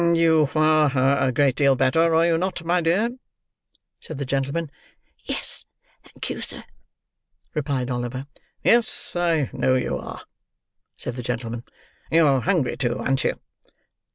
"You are a great deal better, are you not, my dear?" said the gentleman. "Yes, thank you, sir," replied Oliver. "Yes, I know you are," said the gentleman: "You're hungry too, an't you?"